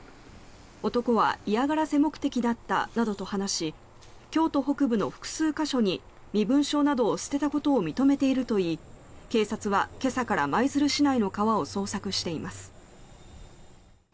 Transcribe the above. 男は嫌がらせ目的だったなどと話し京都北部の複数箇所に身分証などを捨てたことを認めているといい警察は、今朝から舞鶴市内の川を捜索しています。